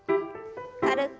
軽く。